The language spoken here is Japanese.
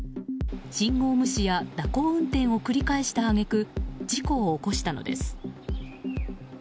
信号無視や蛇行運転を繰り返した揚げ句事故を起こしたのです。